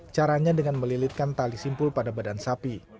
caranya dengan melilitkan tali simpul pada badan sapi